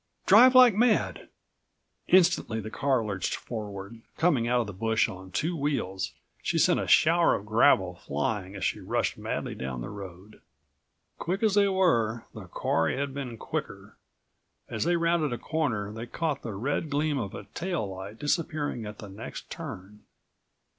Drive like mad!" Instantly the car lurched forward. Coming out of the bush on two wheels, she sent a shower of gravel flying as she rushed madly down the road. Quick as they were, the quarry had been quicker. As they rounded a corner, they caught the red gleam of a tail light disappearing at the next turn.